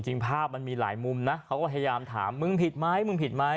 จริงภาพมันมีหลายมุมนะเขาก็พยายามถามมึงผิดไหมมึงผิดไหม